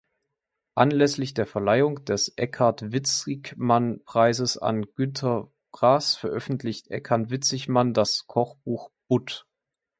Anlässlich der Verleihung des Eckart-Witzigmann-Preises an Günter Grass veröffentlichte Eckart Witzigmann das Kochbuch "Butt.